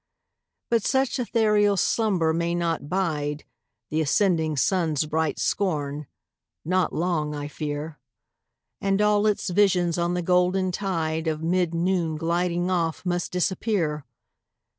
But such ethereal slumber may not bide The ascending sun's bright scorn not long, I fear; And all its visions on the golden tide Of mid noon gliding off, must disappear.